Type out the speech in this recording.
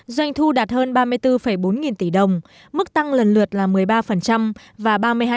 doanh thu đạt hơn ba mươi bốn bốn nghìn tỷ đồng mức tăng lần lượt là một mươi ba và ba mươi hai